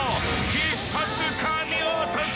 必殺かみ落とし！